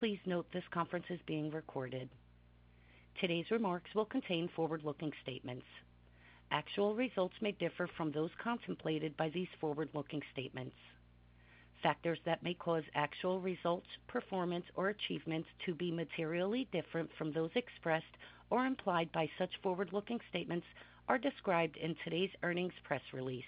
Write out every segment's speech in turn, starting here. Please note this conference is being recorded. Today's remarks will contain forward-looking statements. Actual results may differ from those contemplated by these forward-looking statements. Factors that may cause actual results, performance, or achievements to be materially different from those expressed or implied by such forward-looking statements are described in today's earnings press release.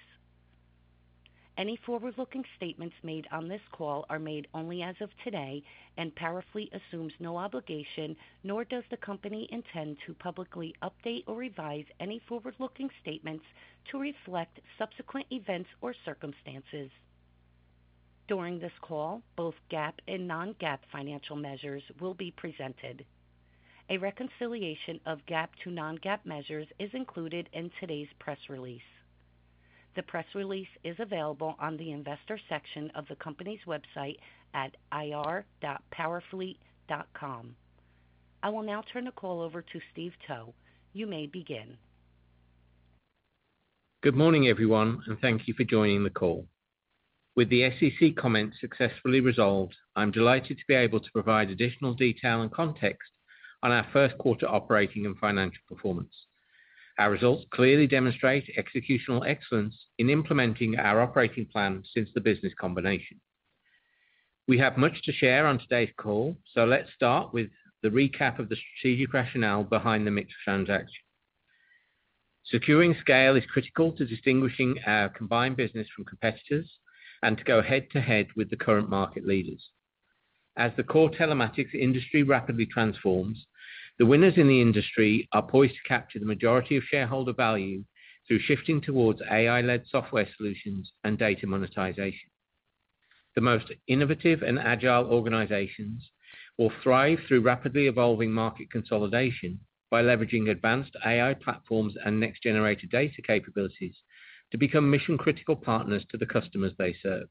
Any forward-looking statements made on this call are made only as of today, and Powerfleet assumes no obligation, nor does the company intend to publicly update or revise any forward-looking statements to reflect subsequent events or circumstances. During this call, both GAAP and non-GAAP financial measures will be presented. A reconciliation of GAAP to non-GAAP measures is included in today's press release. The press release is available on the investor section of the company's website at ir.powerfleet.com. I will now turn the call over to Steve Towe. You may begin. Good morning, everyone, and thank you for joining the call. With the SEC comments successfully resolved, I'm delighted to be able to provide additional detail and context on our first quarter operating and financial performance. Our results clearly demonstrate executional excellence in implementing our operating plan since the business combination. We have much to share on today's call, so let's start with the recap of the strategic rationale behind the MiX transaction. Securing scale is critical to distinguishing our combined business from competitors and to go head-to-head with the current market leaders. As the core telematics industry rapidly transforms, the winners in the industry are poised to capture the majority of shareholder value through shifting towards AI-led software solutions and data monetization. The most innovative and agile organizations will thrive through rapidly evolving market consolidation by leveraging advanced AI platforms and next-generation data capabilities to become mission-critical partners to the customers they serve.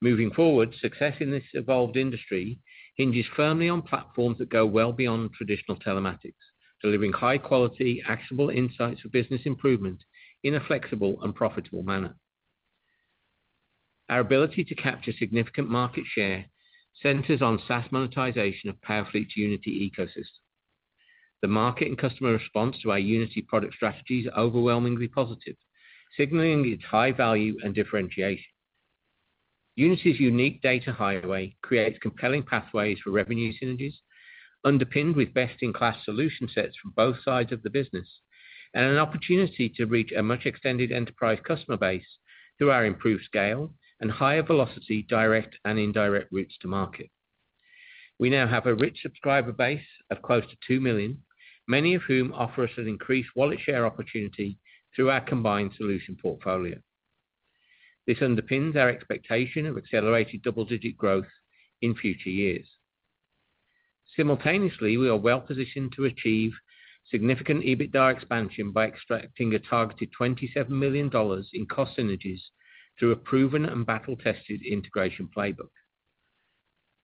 Moving forward, success in this evolved industry hinges firmly on platforms that go well beyond traditional telematics, delivering high-quality, actionable insights for business improvement in a flexible and profitable manner. Our ability to capture significant market share centers on SaaS monetization of Powerfleet's Unity ecosystem. The market and customer response to our Unity product strategy is overwhelmingly positive, signaling its high value and differentiation. Unity's unique data highway creates compelling pathways for revenue synergies, underpinned with best-in-class solution sets from both sides of the business, and an opportunity to reach a much extended enterprise customer base through our improved scale and higher velocity, direct and indirect routes to market. We now have a rich subscriber base of close to 2 million, many of whom offer us an increased wallet share opportunity through our combined solution portfolio. This underpins our expectation of accelerated double-digit growth in future years. Simultaneously, we are well positioned to achieve significant EBITDA expansion by extracting a targeted $27 million in cost synergies through a proven and battle-tested integration playbook.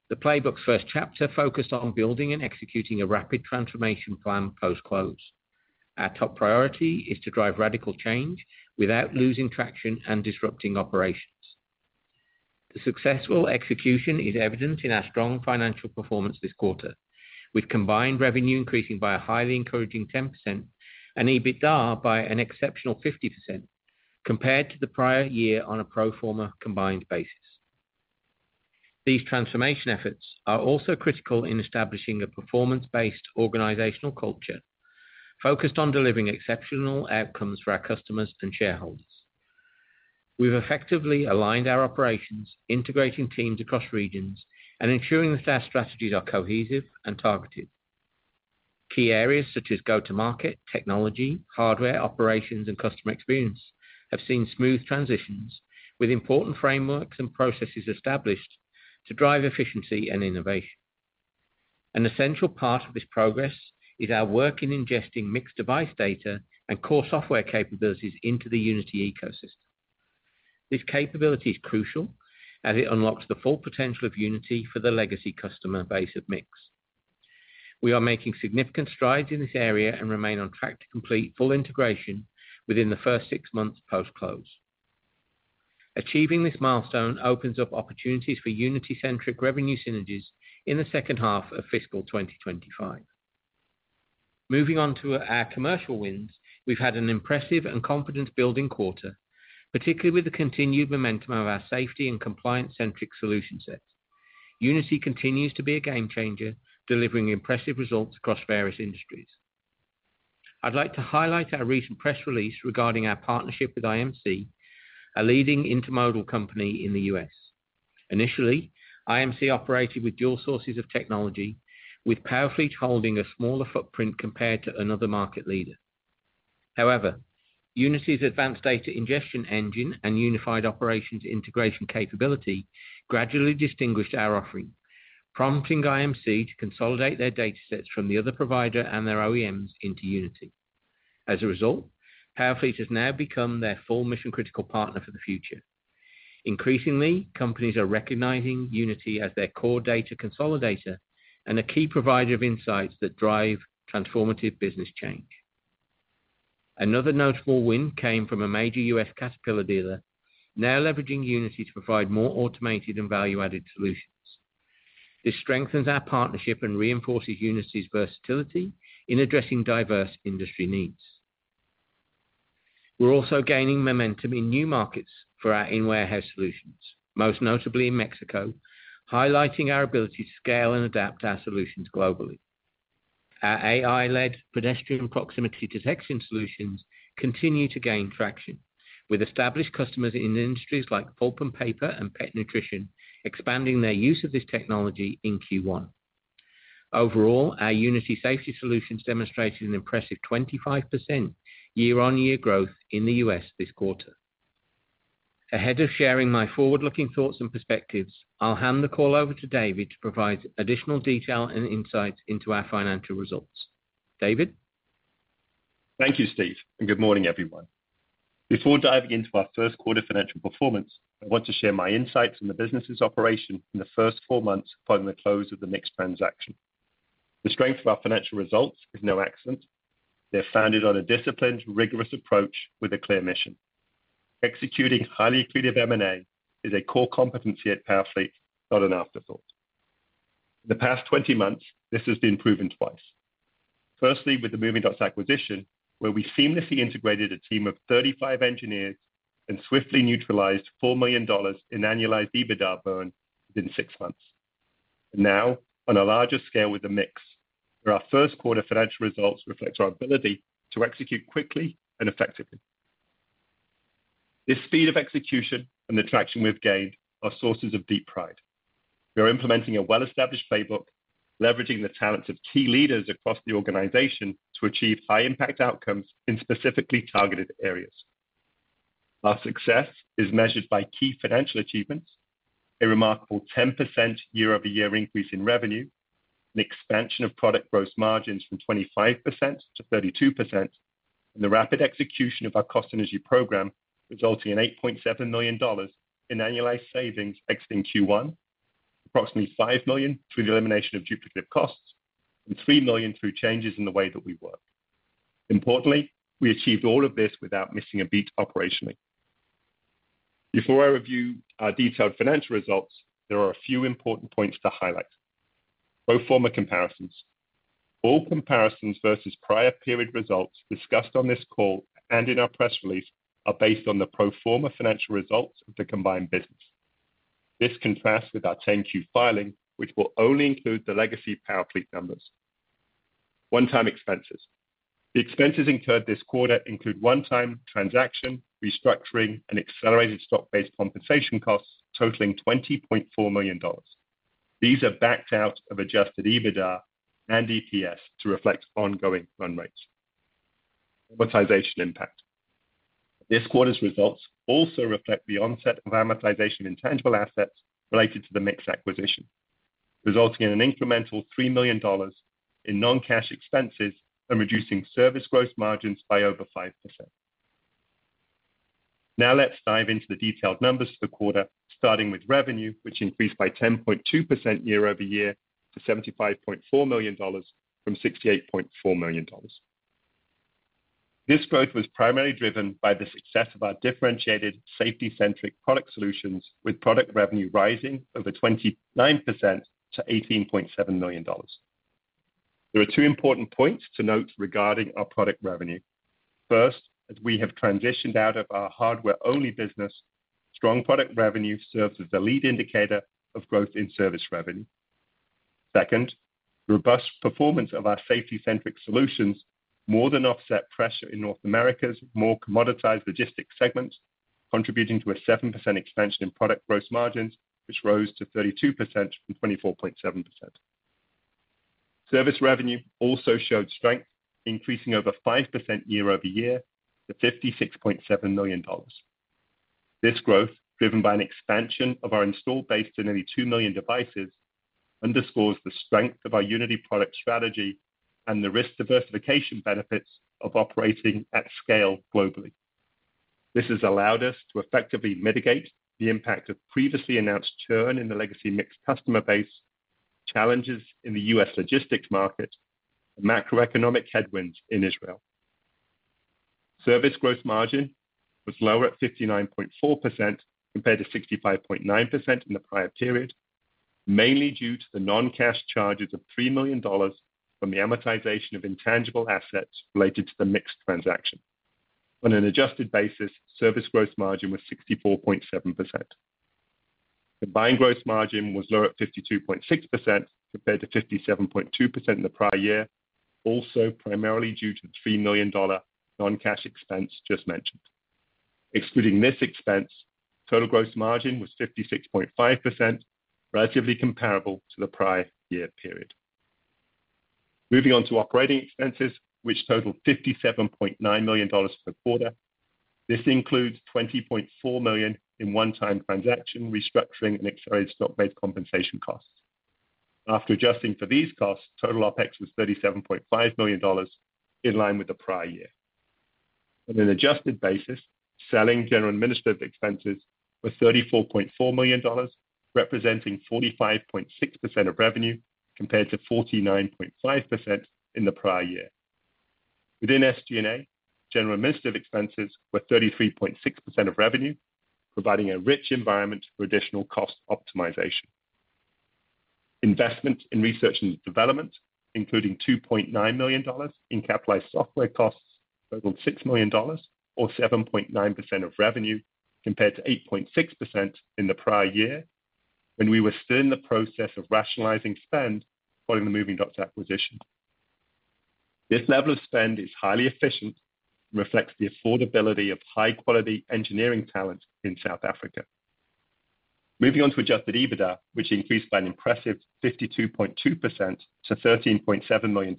The playbook's first chapter focused on building and executing a rapid transformation plan post-close. Our top priority is to drive radical change without losing traction and disrupting operations. The successful execution is evident in our strong financial performance this quarter, with combined revenue increasing by a highly encouraging 10% and EBITDA by an exceptional 50% compared to the prior year on a pro forma combined basis. These transformation efforts are also critical in establishing a performance-based organizational culture focused on delivering exceptional outcomes for our customers and shareholders. We've effectively aligned our operations, integrating teams across regions and ensuring that our strategies are cohesive and targeted. Key areas such as go-to-market, technology, hardware, operations, and customer experience have seen smooth transitions, with important frameworks and processes established to drive efficiency and innovation. An essential part of this progress is our work in ingesting mixed device data and core software capabilities into the Unity ecosystem. This capability is crucial as it unlocks the full potential of Unity for the legacy customer base of Mix. We are making significant strides in this area and remain on track to complete full integration within the first six months post-close. Achieving this milestone opens up opportunities for Unity-centric revenue synergies in the second half of fiscal 2025. Moving on to our commercial wins. We've had an impressive and confidence-building quarter, particularly with the continued momentum of our safety and compliance-centric solution set. Unity continues to be a game changer, delivering impressive results across various industries. I'd like to highlight our recent press release regarding our partnership with IMC, a leading intermodal company in the U.S. Initially, IMC operated with dual sources of technology, with Powerfleet holding a smaller footprint compared to another market leader. However, Unity's advanced data ingestion engine and unified operations integration capability gradually distinguished our offering, prompting IMC to consolidate their datasets from the other provider and their OEMs into Unity. As a result, Powerfleet has now become their full mission-critical partner for the future. Increasingly, companies are recognizing Unity as their core data consolidator and a key provider of insights that drive transformative business change.... Another notable win came from a major U.S. Caterpillar dealer, now leveraging Unity to provide more automated and value-added solutions. This strengthens our partnership and reinforces Unity's versatility in addressing diverse industry needs. We're also gaining momentum in new markets for our in-warehouse solutions, most notably in Mexico, highlighting our ability to scale and adapt our solutions globally. Our AI-led pedestrian proximity detection solutions continue to gain traction, with established customers in industries like pulp and paper and pet nutrition, expanding their use of this technology in Q1. Overall, our Unity safety solutions demonstrated an impressive 25% year-on-year growth in the U.S. this quarter. Ahead of sharing my forward-looking thoughts and perspectives, I'll hand the call over to David to provide additional detail and insight into our financial results. David? Thank you, Steve, and good morning, everyone. Before diving into our first quarter financial performance, I want to share my insights on the business's operation in the first four months following the close of the MiX transaction. The strength of our financial results is no accident. They're founded on a disciplined, rigorous approach with a clear mission. Executing highly accretive M&A is a core competency at Powerfleet, not an afterthought. The past 20 months, this has been proven twice. Firstly, with the Movingdots acquisition, where we seamlessly integrated a team of 35 engineers and swiftly neutralized $4 million in annualized EBITDA burn within six months. Now, on a larger scale with the MiX, where our first quarter financial results reflect our ability to execute quickly and effectively. This speed of execution and the traction we've gained are sources of deep pride. We are implementing a well-established playbook, leveraging the talents of key leaders across the organization to achieve high-impact outcomes in specifically targeted areas. Our success is measured by key financial achievements, a remarkable 10% year-over-year increase in revenue, an expansion of product gross margins from 25% to 32%, and the rapid execution of our cost synergy program, resulting in $8.7 million in annualized savings exiting Q1, approximately $5 million through the elimination of duplicate costs and $3 million through changes in the way that we work. Importantly, we achieved all of this without missing a beat operationally. Before I review our detailed financial results, there are a few important points to highlight. Pro forma comparisons. All comparisons versus prior period results discussed on this call and in our press release, are based on the pro forma financial results of the combined business. This contrasts with our 10-Q filing, which will only include the legacy Powerfleet numbers. One-time expenses. The expenses incurred this quarter include one-time transaction, restructuring, and accelerated stock-based compensation costs totaling $20.4 million. These are backed out of adjusted EBITDA and EPS to reflect ongoing run rates. Amortization impact. This quarter's results also reflect the onset of amortization in tangible assets related to the mix acquisition, resulting in an incremental $3 million in non-cash expenses and reducing service gross margins by over 5%. Now, let's dive into the detailed numbers for the quarter, starting with revenue, which increased by 10.2% year-over-year to $75.4 million from $68.4 million. This growth was primarily driven by the success of our differentiated safety-centric product solutions, with product revenue rising over 29% to $18.7 million. There are two important points to note regarding our product revenue. First, as we have transitioned out of our hardware-only business, strong product revenue serves as a lead indicator of growth in service revenue. Second, robust performance of our safety-centric solutions more than offset pressure in North America's more commoditized logistics segments, contributing to a 7% expansion in product gross margins, which rose to 32% from 24.7%. Service revenue also showed strength, increasing over 5% year-over-year to $56.7 million. This growth, driven by an expansion of our installed base to nearly 2 million devices, underscores the strength of our Unity product strategy and the risk diversification benefits of operating at scale globally. This has allowed us to effectively mitigate the impact of previously announced churn in the legacy MiX customer base, challenges in the U.S. logistics market, and macroeconomic headwinds in Israel. Service gross margin was lower at 59.4% compared to 65.9% in the prior period, mainly due to the non-cash charges of $3 million from the amortization of intangible assets related to the MiX transaction. On an adjusted basis, service gross margin was 64.7%. The blended gross margin was lower at 52.6% compared to 57.2% in the prior year, also primarily due to the $3 million non-cash expense just mentioned. Excluding this expense, total gross margin was 56.5%, relatively comparable to the prior year period. Moving on to operating expenses, which totaled $57.9 million for the quarter. This includes $20.4 million in one-time transaction, restructuring, and accelerated stock-based compensation costs. After adjusting for these costs, total OpEx was $37.5 million, in line with the prior year. On an adjusted basis, selling general and administrative expenses were $34.4 million, representing 45.6% of revenue, compared to 49.5% in the prior year. Within SG&A, general administrative expenses were 33.6% of revenue, providing a rich environment for additional cost optimization. Investment in research and development, including $2.9 million in capitalized software costs, totaled $6 million, or 7.9% of revenue, compared to 8.6% in the prior year, when we were still in the process of rationalizing spend following the Movingdots acquisition. This level of spend is highly efficient and reflects the affordability of high-quality engineering talent in South Africa. Moving on to adjusted EBITDA, which increased by an impressive 52.2% to $13.7 million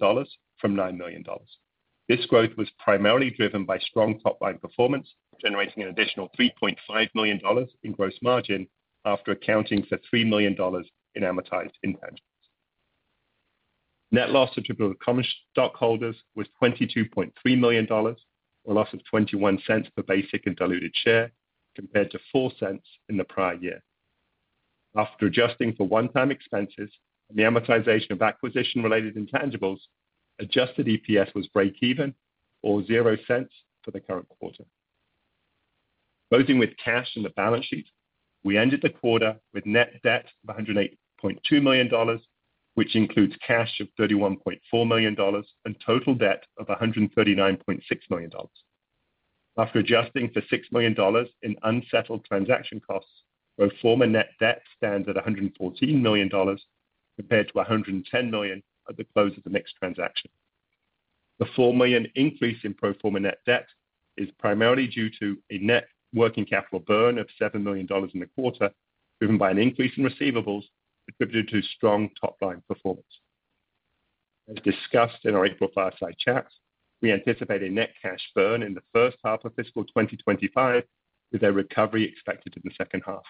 from $9 million. This growth was primarily driven by strong top-line performance, generating an additional $3.5 million in gross margin after accounting for $3 million in amortized inventory. Net loss attributable to common stockholders was $22.3 million, a loss of 21 cents per basic and diluted share, compared to 4 cents in the prior year. After adjusting for one-time expenses and the amortization of acquisition-related intangibles, adjusted EPS was breakeven, or 0 cents for the current quarter. Closing with cash on the balance sheet, we ended the quarter with net debt of $108.2 million, which includes cash of $31.4 million, and total debt of $139.6 million. After adjusting for $6 million in unsettled transaction costs, pro forma net debt stands at $114 million, compared to $110 million at the close of the MiX transaction. The $4 million increase in pro forma net debt is primarily due to a net working capital burn of $7 million in the quarter, driven by an increase in receivables attributable to strong top-line performance. As discussed in our April fireside chat, we anticipate a net cash burn in the first half of fiscal 2025, with a recovery expected in the second half.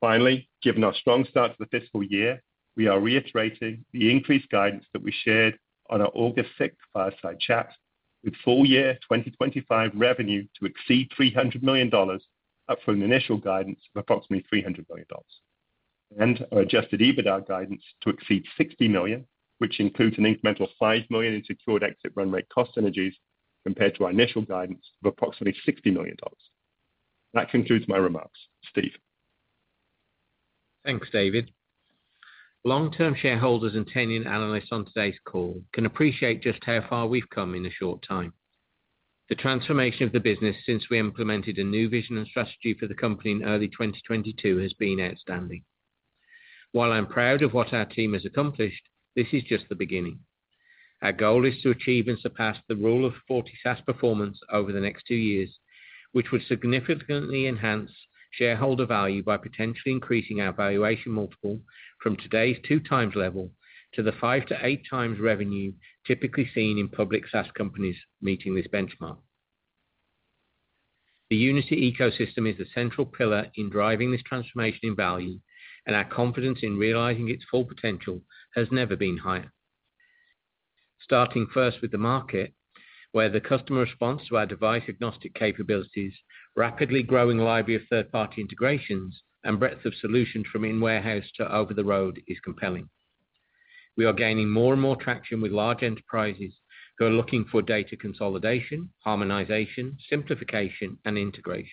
Finally, given our strong start to the fiscal year, we are reiterating the increased guidance that we shared on our August 6 fireside chat, with full year 2025 revenue to exceed $300 million, up from an initial guidance of approximately $300 million. And our adjusted EBITDA guidance to exceed $60 million, which includes an incremental $5 million in secured exit run rate cost synergies, compared to our initial guidance of approximately $60 million. That concludes my remarks. Steve? Thanks, David. Long-term shareholders and tenured analysts on today's call can appreciate just how far we've come in a short time. The transformation of the business since we implemented a new vision and strategy for the company in early 2022 has been outstanding. While I'm proud of what our team has accomplished, this is just the beginning. Our goal is to achieve and surpass the Rule of Forty SaaS performance over the next 2 years, which would significantly enhance shareholder value by potentially increasing our valuation multiple from today's 2x level to the 5x-8x revenue typically seen in public SaaS companies meeting this benchmark. The Unity ecosystem is a central pillar in driving this transformation in value, and our confidence in realizing its full potential has never been higher. Starting first with the market, where the customer response to our device-agnostic capabilities, rapidly growing library of third-party integrations, and breadth of solutions from in-warehouse to over the road is compelling. We are gaining more and more traction with large enterprises who are looking for data consolidation, harmonization, simplification, and integration.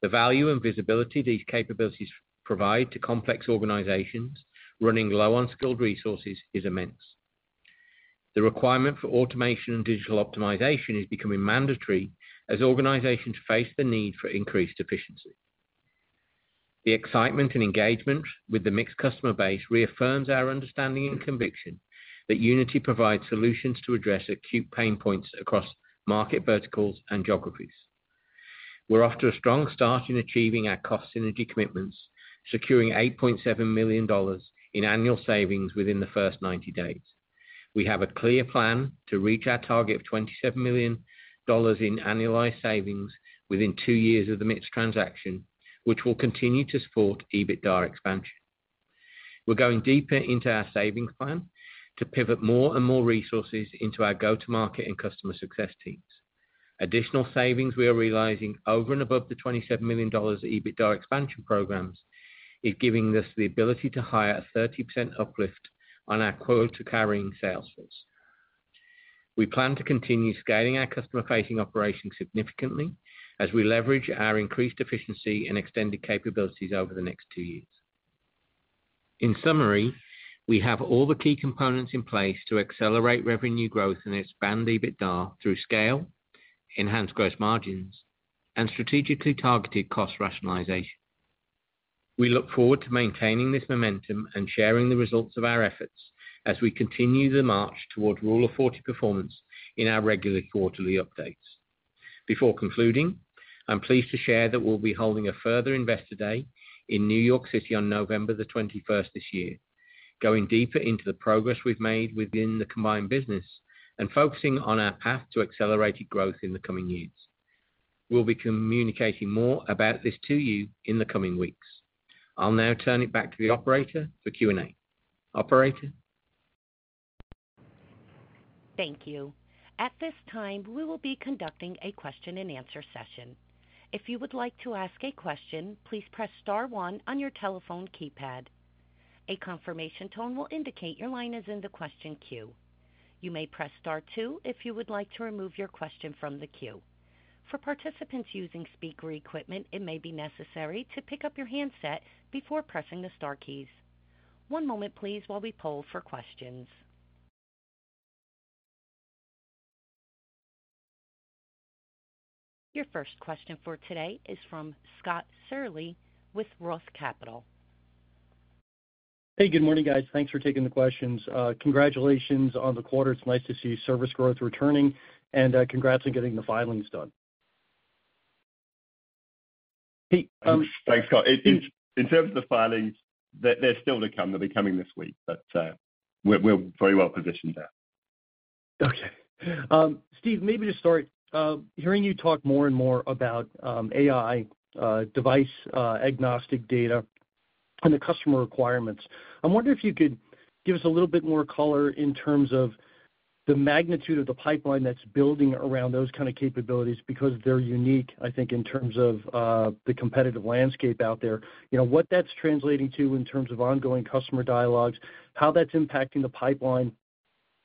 The value and visibility these capabilities provide to complex organizations running low on skilled resources is immense. The requirement for automation and digital optimization is becoming mandatory as organizations face the need for increased efficiency. The excitement and engagement with the mixed customer base reaffirms our understanding and conviction that Unity provides solutions to address acute pain points across market verticals and geographies. We're off to a strong start in achieving our cost synergy commitments, securing $8.7 million in annual savings within the first 90 days. We have a clear plan to reach our target of $27 million in annualized savings within two years of the MiX transaction, which will continue to support EBITDA expansion. We're going deeper into our savings plan to pivot more and more resources into our go-to-market and customer success teams. Additional savings we are realizing over and above the $27 million EBITDA expansion programs is giving us the ability to hire a 30% uplift on our quota-carrying sales force. We plan to continue scaling our customer-facing operations significantly as we leverage our increased efficiency and extended capabilities over the next two years. In summary, we have all the key components in place to accelerate revenue growth and expand EBITDA through scale, enhanced gross margins, and strategically targeted cost rationalization. We look forward to maintaining this momentum and sharing the results of our efforts as we continue the march toward Rule of Forty performance in our regular quarterly updates. Before concluding, I'm pleased to share that we'll be holding a further Investor Day in New York City on November 21st this year, going deeper into the progress we've made within the combined business and focusing on our path to accelerated growth in the coming years. We'll be communicating more about this to you in the coming weeks. I'll now turn it back to the operator for Q&A. Operator? Thank you. At this time, we will be conducting a question and answer session. If you would like to ask a question, please press star one on your telephone keypad. A confirmation tone will indicate your line is in the question queue. You may press star two if you would like to remove your question from the queue. For participants using speaker equipment, it may be necessary to pick up your handset before pressing the star keys. One moment please, while we poll for questions. Your first question for today is from Scott Searle with Roth Capital. Hey, good morning, guys. Thanks for taking the questions. Congratulations on the quarter. It's nice to see service growth returning, and, congrats on getting the filings done.... Thanks, Scott. In terms of the filings, they're still to come. They'll be coming this week, but we're very well positioned there. Okay. Steve, maybe to start, hearing you talk more and more about AI, device agnostic data and the customer requirements, I'm wondering if you could give us a little bit more color in terms of the magnitude of the pipeline that's building around those kind of capabilities, because they're unique, I think, in terms of the competitive landscape out there. You know, what that's translating to in terms of ongoing customer dialogues, how that's impacting the pipeline,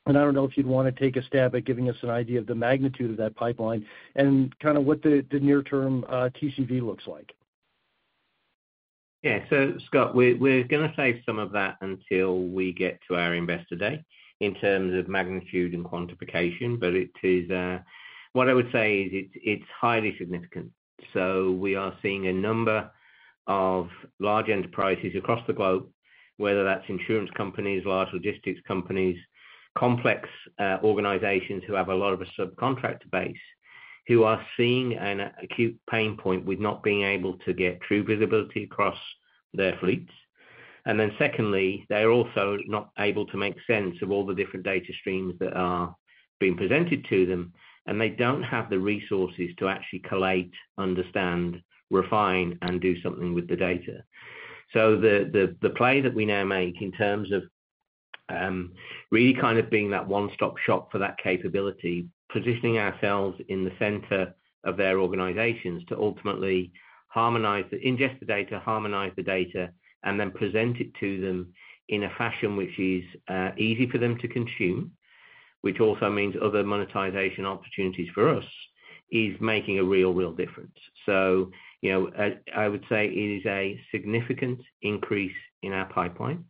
and I don't know if you'd want to take a stab at giving us an idea of the magnitude of that pipeline and kind of what the near-term TCV looks like. Yeah. So Scott, we're, we're gonna save some of that until we get to our Investor Day in terms of magnitude and quantification, but it is... What I would say is it's, it's highly significant. So we are seeing a number of large enterprises across the globe, whether that's insurance companies, large logistics companies, complex organizations who have a lot of a subcontractor base, who are seeing an acute pain point with not being able to get true visibility across their fleets. And then secondly, they're also not able to make sense of all the different data streams that are being presented to them, and they don't have the resources to actually collate, understand, refine, and do something with the data. So the play that we now make in terms of really kind of being that one-stop shop for that capability, positioning ourselves in the center of their organizations to ultimately harmonize, ingest the data, harmonize the data, and then present it to them in a fashion which is easy for them to consume, which also means other monetization opportunities for us, is making a real, real difference. So, you know, I would say it is a significant increase in our pipeline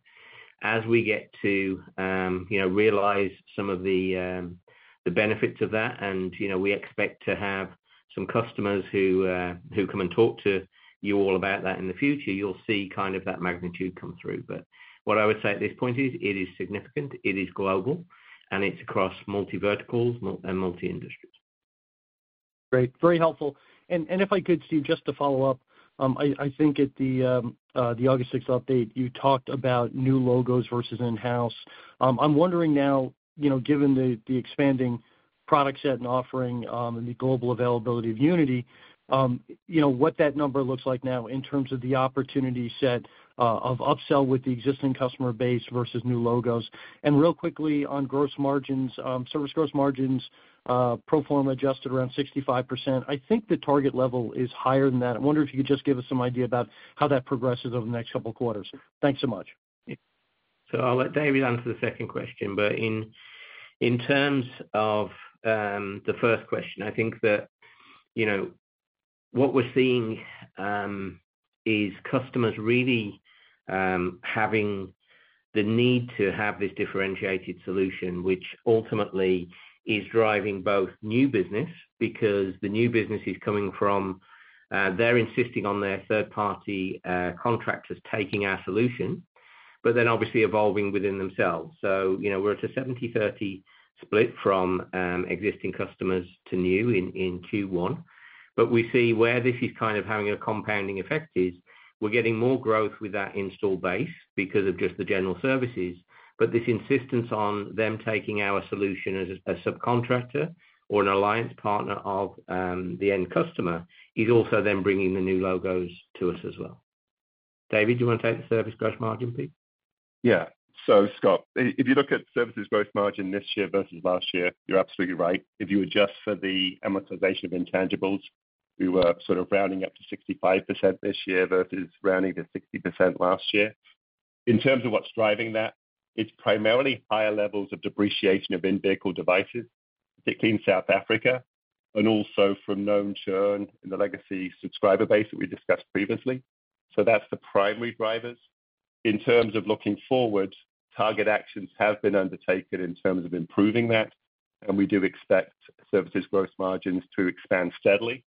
as we get to, you know, realize some of the benefits of that. And, you know, we expect to have some customers who come and talk to you all about that in the future. You'll see kind of that magnitude come through. What I would say at this point is, it is significant, it is global, and it's across multi-verticals and multi-industries. Great. Very helpful. And if I could, Steve, just to follow up, I think at the August sixth update, you talked about new logos versus in-house. I'm wondering now, you know, given the expanding product set and offering, and the global availability of Unity, you know, what that number looks like now in terms of the opportunity set of upsell with the existing customer base versus new logos. And real quickly on gross margins, service gross margins, pro forma adjusted around 65%. I think the target level is higher than that. I wonder if you could just give us some idea about how that progresses over the next couple of quarters. Thanks so much. So I'll let David answer the second question, but in terms of the first question, I think that, you know, what we're seeing is customers really having the need to have this differentiated solution, which ultimately is driving both new business, because the new business is coming from they're insisting on their third-party contractors taking our solution, but then obviously evolving within themselves. So you know, we're at a 70/30 split from existing customers to new in Q1. But we see where this is kind of having a compounding effect is, we're getting more growth with our install base because of just the general services. But this insistence on them taking our solution as a subcontractor or an alliance partner of the end customer, is also then bringing the new logos to us as well. David, do you want to take the service gross margin, please? Yeah. So Scott, if you look at services gross margin this year versus last year, you're absolutely right. If you adjust for the amortization of intangibles, we were sort of rounding up to 65% this year versus rounding to 60% last year. In terms of what's driving that, it's primarily higher levels of depreciation of in-vehicle devices, particularly in South Africa, and also from known churn in the legacy subscriber base that we discussed previously. So that's the primary drivers. In terms of looking forward, target actions have been undertaken in terms of improving that, and we do expect services gross margins to expand steadily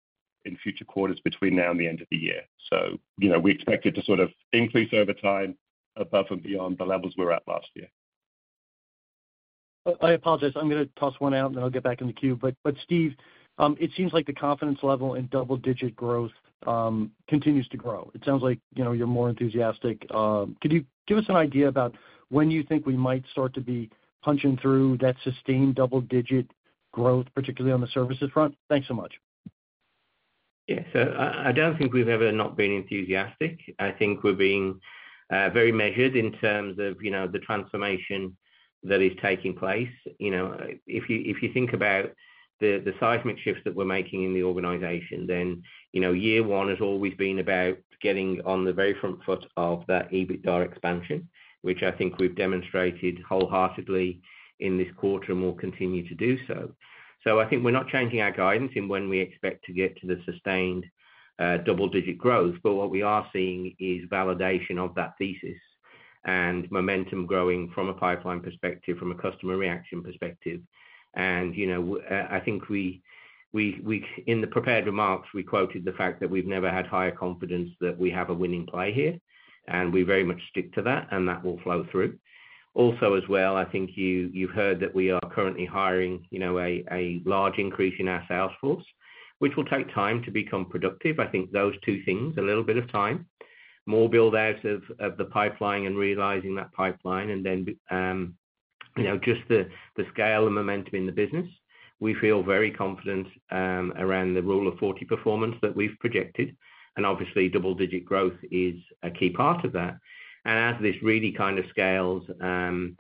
in future quarters between now and the end of the year. So you know, we expect it to sort of increase over time, above and beyond the levels we're at last year. I apologize. I'm gonna toss one out, and then I'll get back in the queue. But, Steve, it seems like the confidence level in double-digit growth continues to grow. It sounds like, you know, you're more enthusiastic. Could you give us an idea about when you think we might start to be punching through that sustained double-digit growth, particularly on the services front? Thanks so much.... Yes, so I don't think we've ever not been enthusiastic. I think we're being very measured in terms of, you know, the transformation that is taking place. You know, if you think about the seismic shifts that we're making in the organization, then, you know, year one has always been about getting on the very front foot of that EBITDA expansion, which I think we've demonstrated wholeheartedly in this quarter and will continue to do so. So I think we're not changing our guidance in when we expect to get to the sustained double digit growth, but what we are seeing is validation of that thesis and momentum growing from a pipeline perspective, from a customer reaction perspective. You know, I think we in the prepared remarks, we quoted the fact that we've never had higher confidence that we have a winning play here, and we very much stick to that, and that will flow through. Also, as well, I think you heard that we are currently hiring, you know, a large increase in our sales force, which will take time to become productive. I think those two things, a little bit of time, more build out of the pipeline and realizing that pipeline and then, you know, just the scale and momentum in the business. We feel very confident around the Rule of Forty performance that we've projected, and obviously, double digit growth is a key part of that. As this really kind of scales, and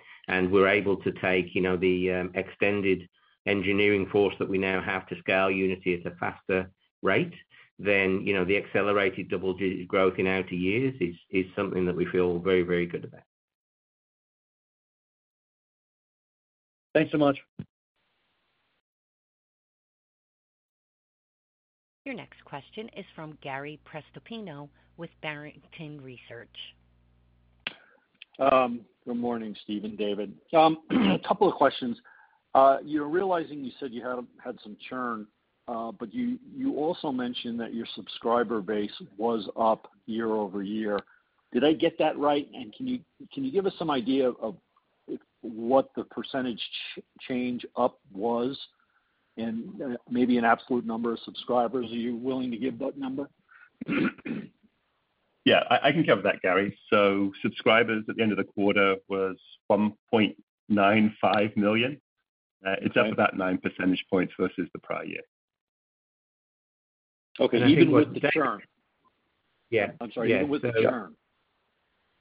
we're able to take, you know, the extended engineering force that we now have to scale Unity at a faster rate, then, you know, the accelerated double digit growth in outer years is something that we feel very, very good about. Thanks so much. Your next question is from Gary Prestopino with Barrington Research. Good morning, Steve and David. A couple of questions. You're realizing you said you had some churn, but you also mentioned that your subscriber base was up year-over-year. Did I get that right? And can you give us some idea of what the percentage change up was, and maybe an absolute number of subscribers? Are you willing to give that number? Yeah, I can cover that, Gary. So subscribers at the end of the quarter was 1.95 million. Okay. It's up about 9 percentage points versus the prior year. Okay, and even with the churn? Yeah. I'm sorry, even with the churn.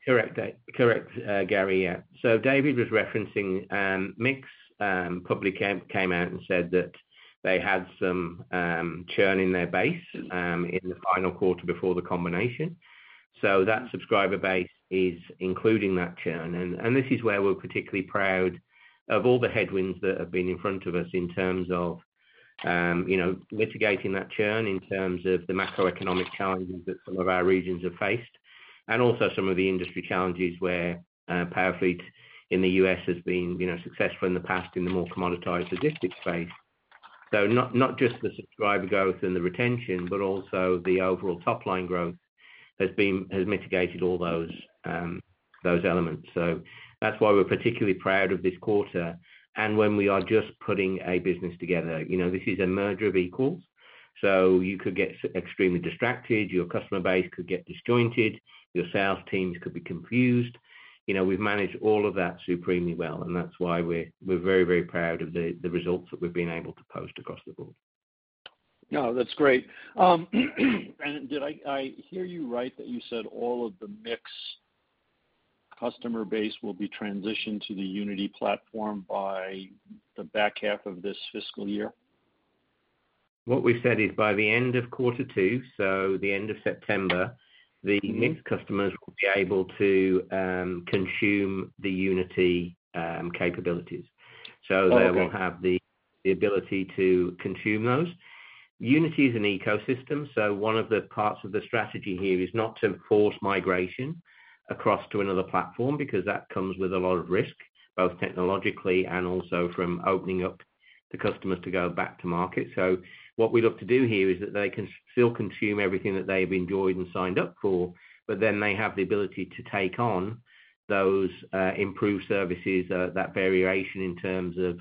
Correct, correct, Gary, yeah. So David was referencing, MiX, probably came out and said that they had some churn in their base in the final quarter before the combination. So that subscriber base is including that churn, and this is where we're particularly proud of all the headwinds that have been in front of us in terms of mitigating that churn, in terms of the macroeconomic challenges that some of our regions have faced, and also some of the industry challenges where Powerfleet in the U.S. has been successful in the past in the more commoditized logistics space. So not just the subscriber growth and the retention, but also the overall top-line growth has been has mitigated all those elements. So that's why we're particularly proud of this quarter. When we are just putting a business together, you know, this is a merger of equals, so you could get extremely distracted, your customer base could get disjointed, your sales teams could be confused. You know, we've managed all of that supremely well, and that's why we're, we're very, very proud of the, the results that we've been able to post across the board. No, that's great. Did I hear you right that you said all of the MiX customer base will be transitioned to the Unity platform by the back half of this fiscal year? What we said is, by the end of quarter two, so the end of September, the MiX customers will be able to consume the Unity capabilities. Oh, okay. So they will have the ability to consume those. Unity is an ecosystem, so one of the parts of the strategy here is not to force migration across to another platform, because that comes with a lot of risk, both technologically and also from opening up the customers to go back to market. So what we look to do here is that they can still consume everything that they've enjoyed and signed up for, but then they have the ability to take on those, improved services, that variation in terms of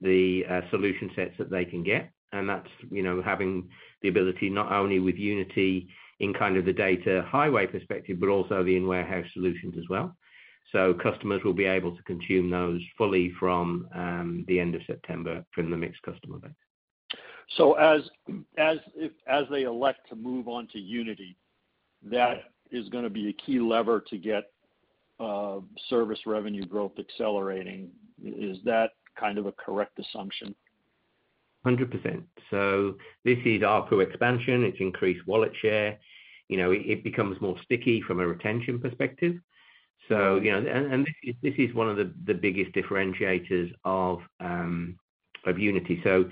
the, solution sets that they can get. And that's, you know, having the ability, not only with Unity in kind of the data highway perspective, but also the in-warehouse solutions as well. So customers will be able to consume those fully from, the end of September from the Mix customer base. So as they elect to move on to Unity, that is gonna be a key lever to get service revenue growth accelerating. Is that kind of a correct assumption? 100%. So this is ARPU expansion, it's increased wallet share. You know, it, it becomes more sticky from a retention perspective. So, you know, and, and this is, this is one of the, the biggest differentiators of, of Unity. So,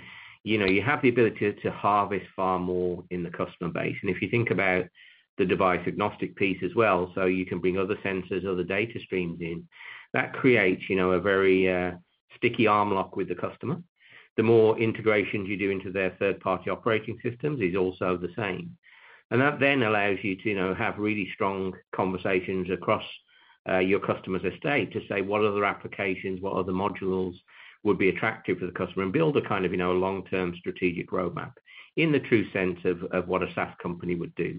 you know, you have the ability to harvest far more in the customer base. And if you think about the device agnostic piece as well, so you can bring other sensors, other data streams in, that creates, you know, a very, sticky arm lock with the customer. The more integrations you do into their third-party operating systems is also the same. And that then allows you to, you know, have really strong conversations across, your customer's estate, to say, what other applications, what other modules would be attractive to the customer? Build a kind of, you know, a long-term strategic roadmap in the true sense of what a SaaS company would do.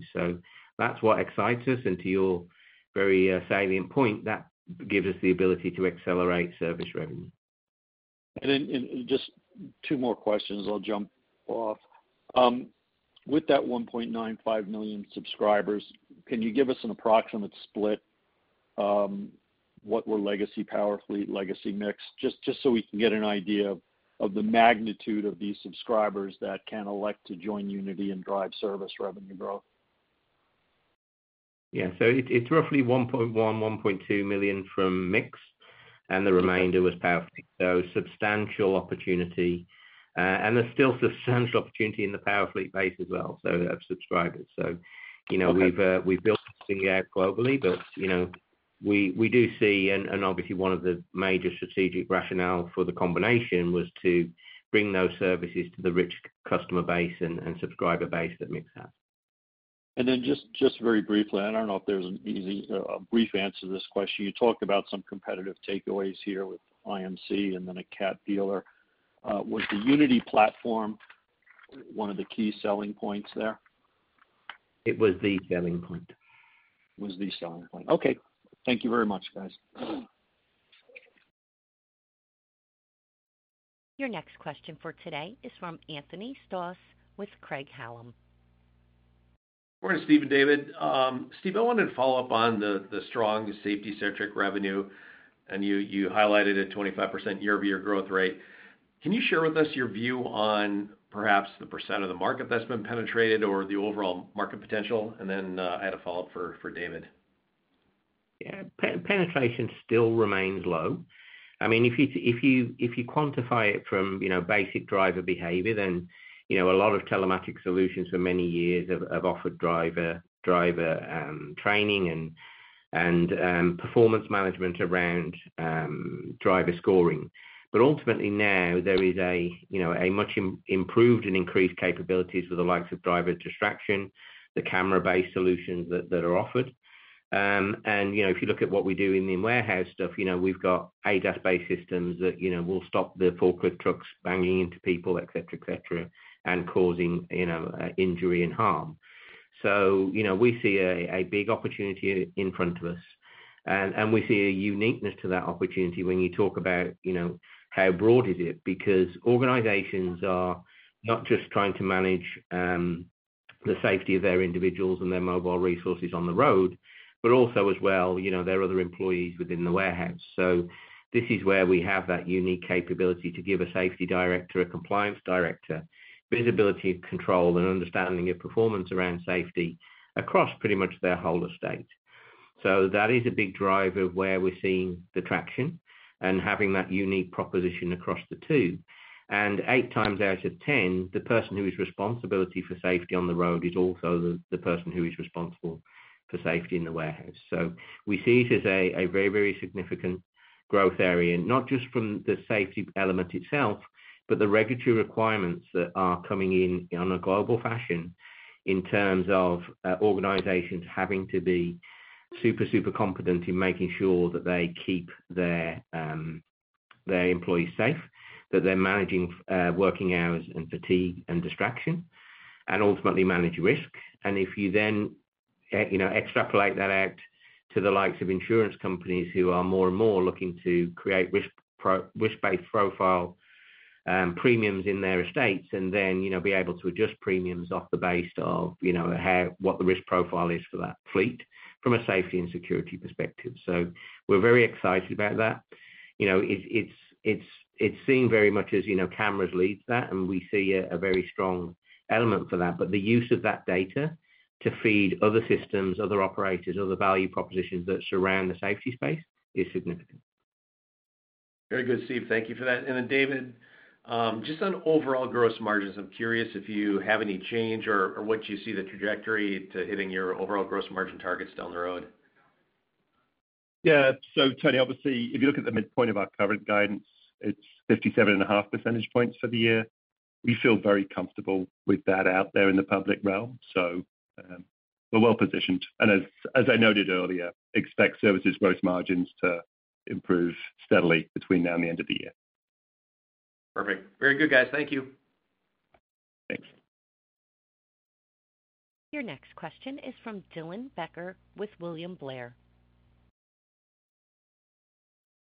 That's what excites us, and to your very salient point, that gives us the ability to accelerate service revenue.... And then just two more questions, I'll jump off. With that 1.95 million subscribers, can you give us an approximate split? What were legacy Powerfleet, legacy Mix? Just so we can get an idea of the magnitude of these subscribers that can elect to join Unity and drive service revenue growth. Yeah. So it, it's roughly $1.1-$1.2 million from Mix, and the remainder was Powerfleet. So substantial opportunity. And there's still substantial opportunity in the Powerfleet base as well, so of subscribers. So, you know, we've, we've built globally, but, you know, we, we do see, and, and obviously one of the major strategic rationale for the combination was to bring those services to the rich customer base and, and subscriber base that Mix has. Then just very briefly, I don't know if there's an easy, a brief answer to this question. You talked about some competitive takeaways here with IMC and then a cab dealer. Was the Unity platform one of the key selling points there? It was the selling point. It was the selling point. Okay, thank you very much, guys. Your next question for today is from Anthony Stoss with Craig-Hallum. Good morning, Steve and David. Steve, I wanted to follow up on the strong safety-centric revenue, and you highlighted a 25% year-over-year growth rate. Can you share with us your view on perhaps the percent of the market that's been penetrated or the overall market potential? And then, I had a follow-up for David. Yeah. Penetration still remains low. I mean, if you quantify it from, you know, basic driver behavior, then, you know, a lot of telematics solutions for many years have offered driver training and performance management around driver scoring. But ultimately now there is a, you know, a much improved and increased capabilities for the likes of driver distraction, the camera-based solutions that are offered. And, you know, if you look at what we do in the warehouse stuff, you know, we've got ADAS-based systems that will stop the forklift trucks banging into people, et cetera, et cetera, and causing, you know, injury and harm. So, you know, we see a big opportunity in front of us, and we see a uniqueness to that opportunity when you talk about, you know, how broad is it? Because organizations are not just trying to manage the safety of their individuals and their mobile resources on the road, but also as well, you know, their other employees within the warehouse. So this is where we have that unique capability to give a safety director, a compliance director, visibility of control and understanding of performance around safety across pretty much their whole estate. So that is a big driver of where we're seeing the traction and having that unique proposition across the two. And eight times out of ten, the person who is responsibility for safety on the road is also the person who is responsible for safety in the warehouse. So we see it as a very, very significant growth area, not just from the safety element itself, but the regulatory requirements that are coming in on a global fashion in terms of organizations having to be super, super competent in making sure that they keep their their employees safe, that they're managing working hours and fatigue and distraction, and ultimately manage risk. And if you then, you know, extrapolate that out to the likes of insurance companies who are more and more looking to create risk-based profile premiums in their estates, and then, you know, be able to adjust premiums off the base of, you know, how what the risk profile is for that fleet from a safety and security perspective. So we're very excited about that. You know, it's seen very much as, you know, cameras lead that, and we see a very strong element for that. But the use of that data to feed other systems, other operators, other value propositions that surround the safety space is significant. Very good, Steve. Thank you for that. David, just on overall gross margins, I'm curious if you have any change or, or what you see the trajectory to hitting your overall gross margin targets down the road. Yeah. So Tony, obviously, if you look at the midpoint of our current guidance, it's 57.5 percentage points for the year. We feel very comfortable with that out there in the public realm. So, we're well positioned. And as I noted earlier, expect services gross margins to improve steadily between now and the end of the year. Perfect. Very good, guys. Thank you. Thanks. Your next question is from Dylan Becker with William Blair.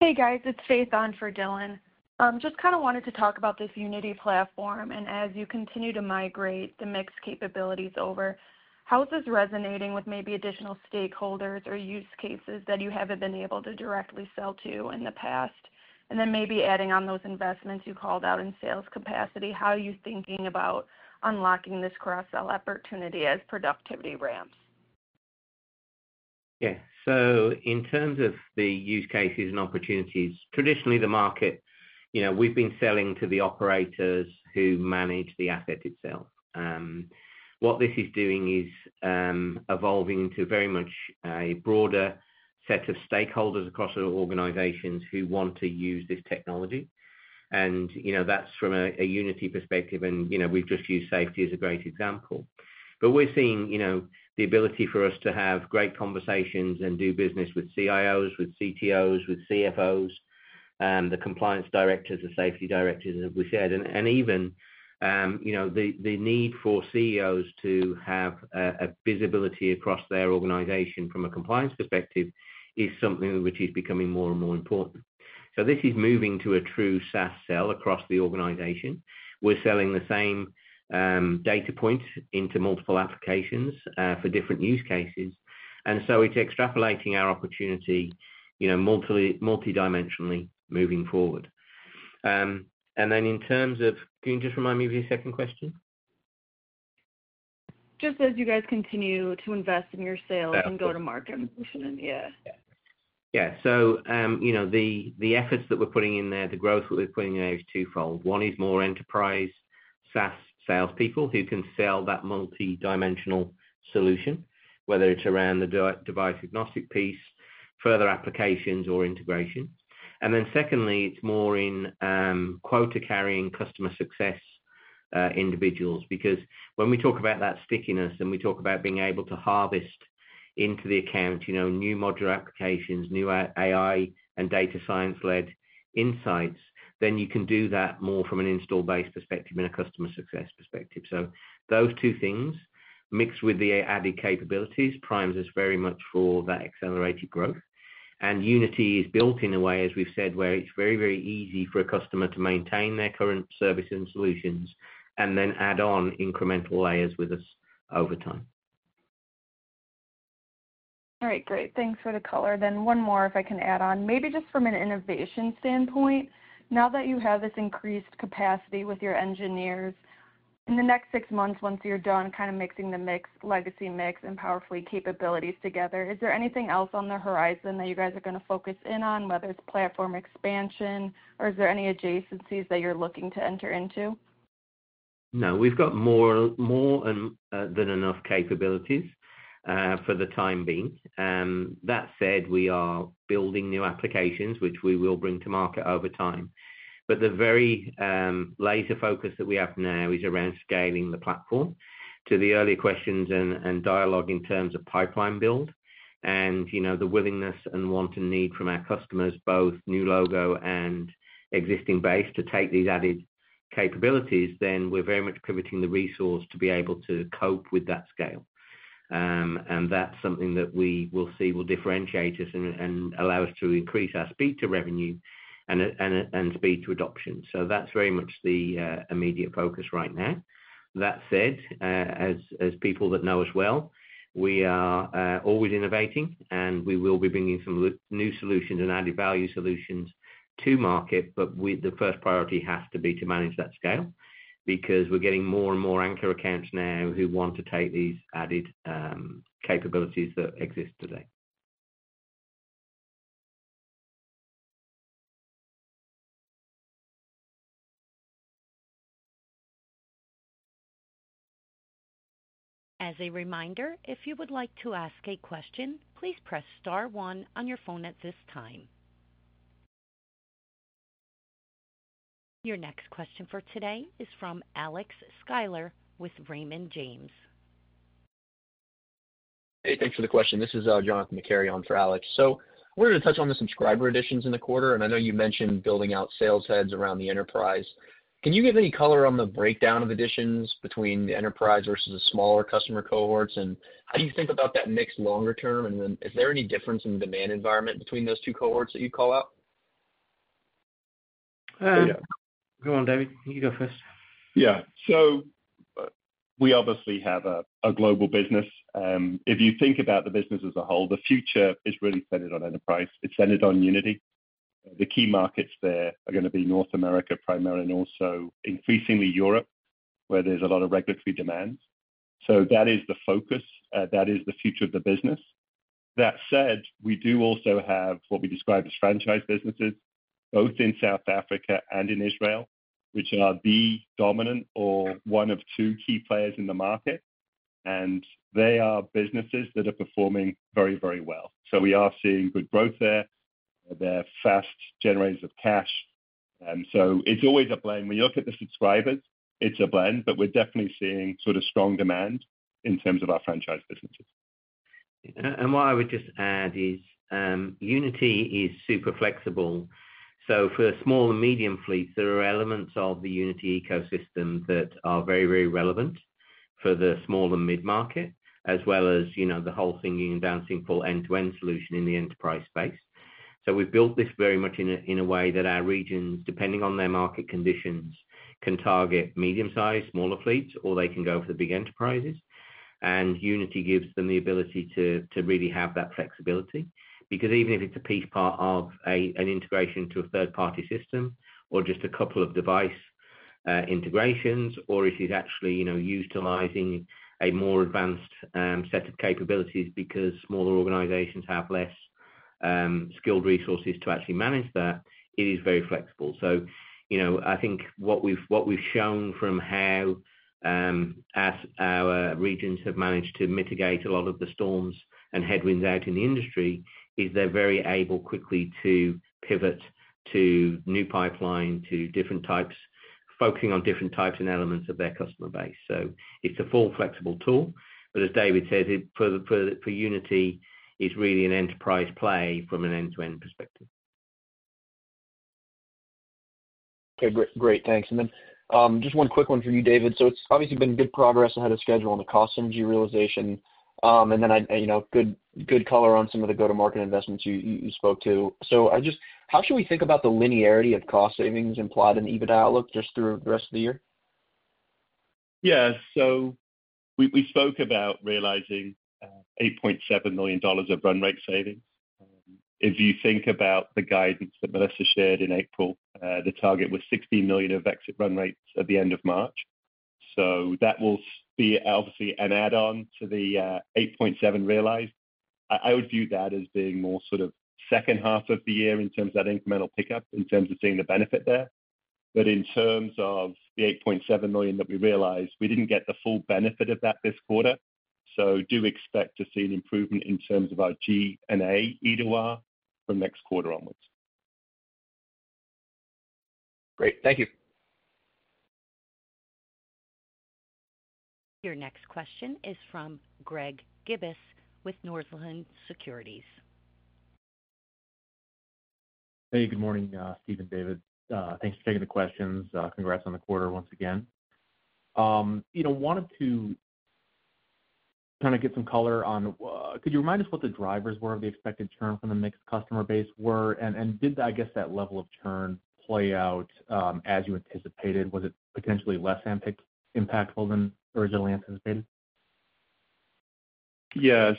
Hey, guys, it's Faith on for Dylan. Just kind of wanted to talk about this Unity platform, and as you continue to migrate the Mix capabilities over, how is this resonating with maybe additional stakeholders or use cases that you haven't been able to directly sell to in the past? And then maybe adding on those investments you called out in sales capacity, how are you thinking about unlocking this cross-sell opportunity as productivity ramps? Yeah. So in terms of the use cases and opportunities, traditionally, the market, you know, we've been selling to the operators who manage the asset itself. What this is doing is evolving into very much a broader set of stakeholders across our organizations who want to use this technology. And, you know, that's from a Unity perspective, and, you know, we've just used safety as a great example. But we're seeing, you know, the ability for us to have great conversations and do business with CIOs, with CTOs, with CFOs, the compliance directors, the safety directors, as we said. And even, you know, the need for CEOs to have a visibility across their organization from a compliance perspective is something which is becoming more and more important. So this is moving to a true SaaS sell across the organization. We're selling the same, data point into multiple applications, for different use cases, and so it's extrapolating our opportunity, you know, multidimensionally moving forward. And then in terms of, can you just remind me of your second question? Just as you guys continue to invest in your sales and go to market, yeah. Yeah. So, you know, the efforts that we're putting in there, the growth that we're putting in there is twofold. One is more enterprise SaaS salespeople who can sell that multidimensional solution, whether it's around the device agnostic piece, further applications or integration. And then secondly, it's more in quota-carrying customer success individuals. Because when we talk about that stickiness, and we talk about being able to harvest into the account, you know, new modular applications, new AI, and data science-led insights, then you can do that more from an install-based perspective than a customer success perspective. So those two things, mixed with the added capabilities, primes us very much for that accelerated growth. Unity is built in a way, as we've said, where it's very, very easy for a customer to maintain their current services and solutions, and then add on incremental layers with us over time. All right, great! Thanks for the color, then. One more, if I can add on. Maybe just from an innovation standpoint, now that you have this increased capacity with your engineers, in the next six months, once you're done kind of mixing the MiX, legacy MiX, and Powerfleet capabilities together, is there anything else on the horizon that you guys are gonna focus in on, whether it's platform expansion, or is there any adjacencies that you're looking to enter into? No, we've got more, more than, than enough capabilities, for the time being. That said, we are building new applications, which we will bring to market over time. But the very, laser focus that we have now is around scaling the platform. To the earlier questions and, and dialogue in terms of pipeline build and, you know, the willingness and want and need from our customers, both new logo and existing base, to take these added capabilities, then we're very much committing the resource to be able to cope with that scale. And that's something that we will see will differentiate us and, and allow us to increase our speed to revenue and, and, and speed to adoption. So that's very much the, immediate focus right now. That said, as people that know us well, we are always innovating, and we will be bringing some new solutions and added value solutions to market, but the first priority has to be to manage that scale, because we're getting more and more anchor accounts now who want to take these added capabilities that exist today. As a reminder, if you would like to ask a question, please press star one on your phone at this time. Your next question for today is from Alex Sklar with Raymond James. Hey, thanks for the question. This is Jonathan McCary on for Alex. So I wanted to touch on the subscriber additions in the quarter, and I know you mentioned building out sales heads around the enterprise. Can you give any color on the breakdown of additions between the enterprise versus the smaller customer cohorts? And how do you think about that mix longer term, and then is there any difference in the demand environment between those two cohorts that you call out? Go on, David. You go first. Yeah. So we obviously have a global business. If you think about the business as a whole, the future is really centered on enterprise. It's centered on Unity. The key markets there are gonna be North America, primarily, and also increasingly Europe, where there's a lot of regulatory demands. So that is the focus, that is the future of the business. That said, we do also have what we describe as franchise businesses, both in South Africa and in Israel, which are the dominant or one of two key players in the market, and they are businesses that are performing very, very well. So we are seeing good growth there. They're fast generators of cash, so it's always a blend. When you look at the subscribers, it's a blend, but we're definitely seeing sort of strong demand in terms of our franchise businesses. What I would just add is, Unity is super flexible, so for small and medium fleets, there are elements of the Unity ecosystem that are very, very relevant for the small and mid-market, as well as, you know, the whole thing and balancing full end-to-end solution in the enterprise space. So we've built this very much in a way that our regions, depending on their market conditions, can target medium-sized, smaller fleets, or they can go for the big enterprises. And Unity gives them the ability to really have that flexibility, because even if it's a piece part of an integration to a third-party system or just a couple of device integrations, or if it's actually, you know, utilizing a more advanced set of capabilities because smaller organizations have less skilled resources to actually manage that, it is very flexible. So, you know, I think what we've, what we've shown from how, as our regions have managed to mitigate a lot of the storms and headwinds out in the industry, is they're very able quickly to pivot to new pipeline, to different types, focusing on different types and elements of their customer base. So it's a full flexible tool, but as David said, it, for Unity, it's really an enterprise play from an end-to-end perspective.... Okay, great, great, thanks. And then, just one quick one for you, David. So it's obviously been good progress ahead of schedule on the cost synergy realization. And then I, you know, good, good color on some of the go-to-market investments you, you, you spoke to. So I just, how should we think about the linearity of cost savings implied in the EBITDA outlook just through the rest of the year? Yeah. So we, we spoke about realizing 8.7 million dollars of run rate savings. If you think about the guidance that we last shared in April, the target was $16 million of exit run rates at the end of March. So that will be obviously an add-on to the 8.7 realized. I, I would view that as being more sort of second half of the year in terms of that incremental pickup, in terms of seeing the benefit there. But in terms of the $8.7 million that we realized, we didn't get the full benefit of that this quarter, so do expect to see an improvement in terms of our SG&A EBITDA from next quarter onwards. Great. Thank you. Your next question is from Greg Gibbas with Northland Securities. Hey, good morning, Steve and David. Thanks for taking the questions. Congrats on the quarter once again. You know, wanted to kind of get some color on, could you remind us what the drivers were of the expected churn from the MiX customer base were? And, did that, I guess, that level of churn play out, as you anticipated? Was it potentially less impactful than originally anticipated? Yes.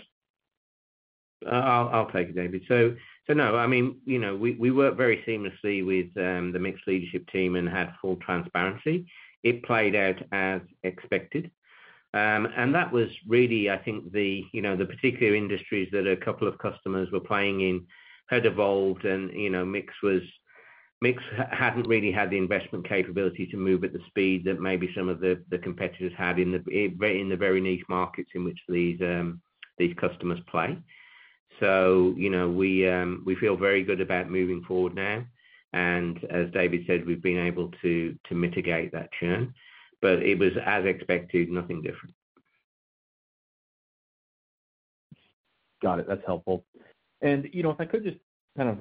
I'll take it, David. So no, I mean, you know, we worked very seamlessly with the MiX leadership team and had full transparency. It played out as expected. And that was really, I think, the you know, the particular industries that a couple of customers were playing in had evolved and, you know, MiX hadn't really had the investment capability to move at the speed that maybe some of the competitors had in the very niche markets in which these customers play. So, you know, we feel very good about moving forward now, and as David said, we've been able to mitigate that churn, but it was as expected, nothing different. Got it. That's helpful. You know, if I could just kind of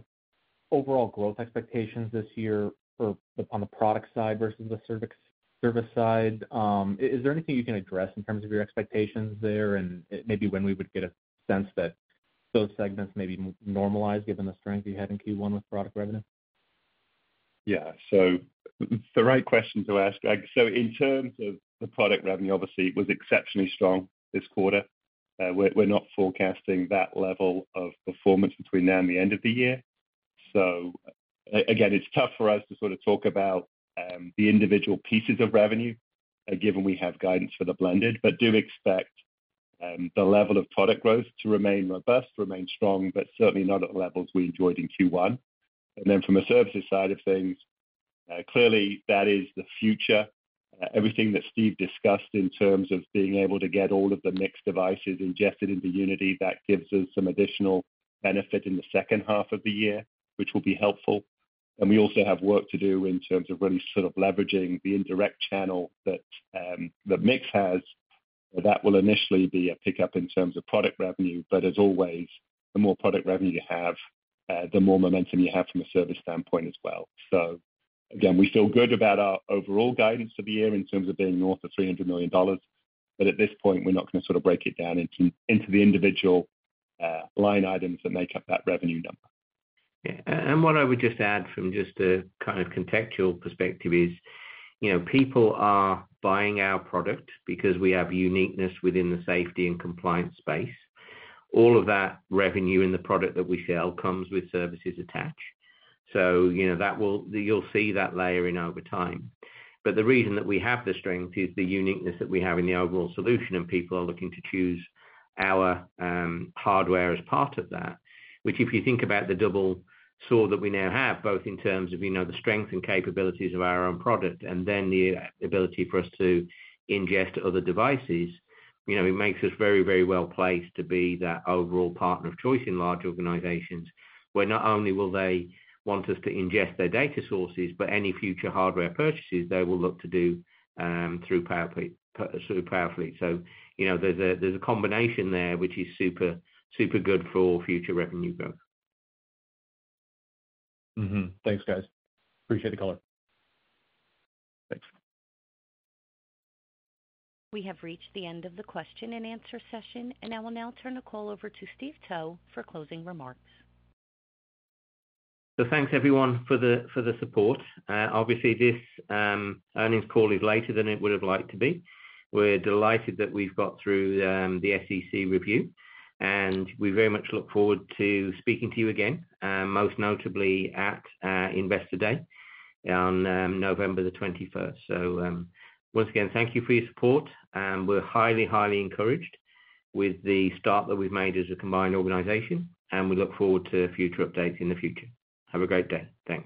overall growth expectations this year for on the product side versus the service, service side. Is there anything you can address in terms of your expectations there? Maybe when we would get a sense that those segments may be more normalized, given the strength you had in Q1 with product revenue? Yeah. So it's the right question to ask, Greg. So in terms of the product revenue, obviously, it was exceptionally strong this quarter. We're, we're not forecasting that level of performance between now and the end of the year. So again, it's tough for us to sort of talk about the individual pieces of revenue, given we have guidance for the blended, but do expect the level of product growth to remain robust, remain strong, but certainly not at the levels we enjoyed in Q1. And then from a services side of things, clearly that is the future. Everything that Steve discussed in terms of being able to get all of the Mix devices ingested into Unity, that gives us some additional benefit in the second half of the year, which will be helpful. And we also have work to do in terms of really sort of leveraging the indirect channel that MiX has. That will initially be a pickup in terms of product revenue, but as always, the more product revenue you have, the more momentum you have from a service standpoint as well. So again, we feel good about our overall guidance for the year in terms of being north of $300 million, but at this point, we're not gonna sort of break it down into the individual line items that make up that revenue number. Yeah. And what I would just add from just a kind of contextual perspective is, you know, people are buying our product because we have uniqueness within the safety and compliance space. All of that revenue in the product that we sell comes with services attached. So, you know, that will... You'll see that layering over time. But the reason that we have the strength is the uniqueness that we have in the overall solution, and people are looking to choose our hardware as part of that. Which, if you think about the double source that we now have, both in terms of, you know, the strength and capabilities of our own product, and then the ability for us to ingest other devices, you know, it makes us very, very well placed to be that overall partner of choice in large organizations, where not only will they want us to ingest their data sources, but any future hardware purchases they will look to do, through Powerfleet. So, you know, there's a, there's a combination there which is super, super good for future revenue growth. Mm-hmm. Thanks, guys. Appreciate the call. Thanks. We have reached the end of the question and answer session, and I will now turn the call over to Steve Towe for closing remarks. Thanks everyone for the support. Obviously this earnings call is later than it would have liked to be. We're delighted that we've got through the SEC review, and we very much look forward to speaking to you again, most notably at Investor Day on November the twenty-first. Once again, thank you for your support, and we're highly, highly encouraged with the start that we've made as a combined organization, and we look forward to future updates in the future. Have a great day. Thank you.